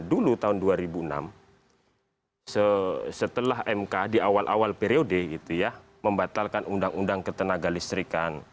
dulu tahun dua ribu enam setelah mk di awal awal periode itu ya membatalkan undang undang ketenaga listrikan